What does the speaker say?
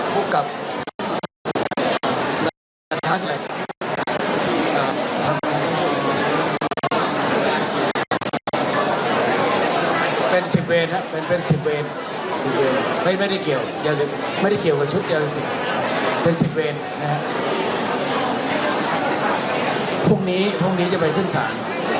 คุกกับอาทักษณ์อะไรอ่าทางเป็นเป็นไม่ไม่ได้เกี่ยวไม่ได้เกี่ยวกับชุดเป็นนะฮะพรุ่งนี้พรุ่งนี้จะไปทุ่มสาร